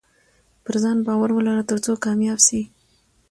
پرځان باور ولره ترڅو کامياب سې